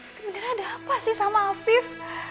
sebenarnya ada apa sih sama afif